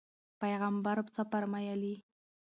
پیغمبر څه فرمایلي؟